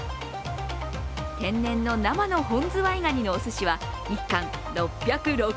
天然の生の本ズワイガニのおすしは１貫６６０円。